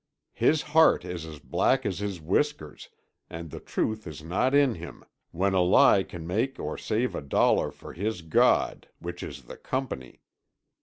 His heart is as black as his whiskers and the truth is not in him—when a lie can make or save a dollar for his god—which is the Company.